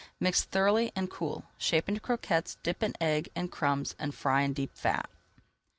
Mix thoroughly and cool. Shape into croquettes, dip in egg and crumbs, and fry in deep fat.